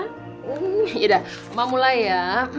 yaudah oma mulai ya